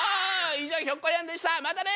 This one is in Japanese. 以上ひょっこりはんでしたまたね！